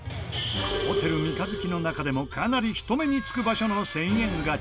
ホテル三日月の中でもかなり人目につく場所の１０００円ガチャ。